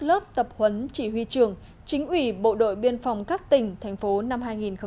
lớp tập huấn chỉ huy trường chính ủy bộ đội biên phòng các tỉnh thành phố năm hai nghìn một mươi chín